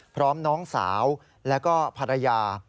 พร้อมน้องสาวแล้วก็ภรรยา